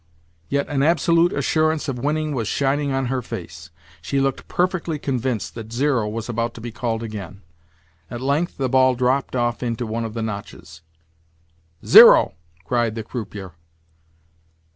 Yet an absolute assurance of winning was shining on her face; she looked perfectly convinced that zero was about to be called again. At length the ball dropped off into one of the notches. "Zero!" cried the croupier.